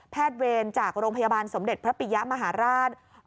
เวรจากโรงพยาบาลสมเด็จพระปิยะมหาราช